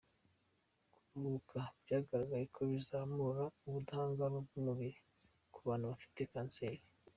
Kuruhuka byagaragaye ko bizamura ubudahangarwa bw’umubiri ku bantu bafite Kanseri.